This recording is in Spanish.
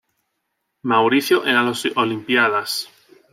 Mauricio en las Olimpíadas